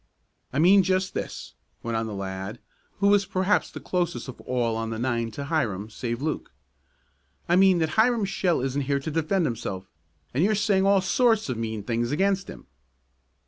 "I mean just this," went on the lad who was perhaps the closest of all on the nine to Hiram save Luke. "I mean that Hiram Shell isn't here to defend himself, and you're saying all sorts of mean things against him."